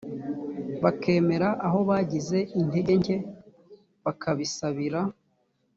bakemera aho bagize intege nke bakabisabira